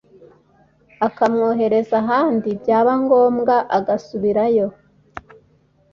akamwohereza ahandi byaba ngombwa agasubirayo